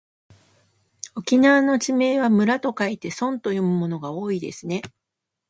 沖縄の地名は村と書いてそんと読むものが多いですね。